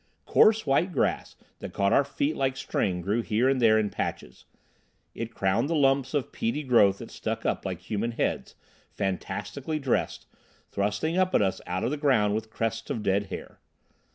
Coarse white grass that caught our feet like string grew here and there in patches. It crowned the lumps of peaty growth that stuck up like human heads, fantastically dressed, thrusting up at us out of the ground with crests of dead hair.